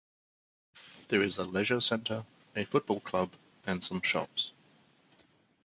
There is a leisure centre, a football club and some shops.